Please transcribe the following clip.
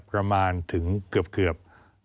ประมาณถึงเกือบ